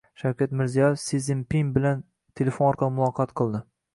Shavkat Mirziyoyev Si Szinpin bilan telefon orqali muloqot qildi